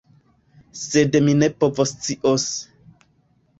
Sed mi ne povoscios.